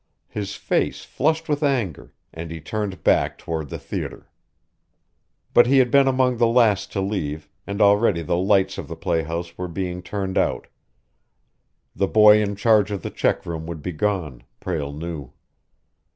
His face flushed with anger, and he turned back toward the theater. But he had been among the last to leave, and already the lights of the playhouse were being turned out. The boy in charge of the check room would be gone, Prale knew.